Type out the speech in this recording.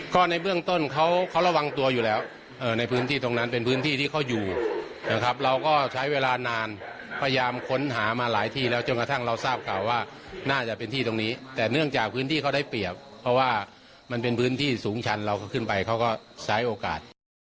ก็ในเบื้องต้นเขาระวังตัวอยู่แล้วในพื้นที่ตรงนั้นเป็นพื้นที่ที่เขาอยู่นะครับเราก็ใช้เวลานานพยายามค้นหามาหลายที่แล้วจนกระทั่งเราทราบข่าวว่าน่าจะเป็นที่ตรงนี้แต่เนื่องจากพื้นที่เขาได้เปรียบเพราะว่ามันเป็นพื้นที่สูงชันเราก็ขึ้นไปเขาก็ใช้โอกาส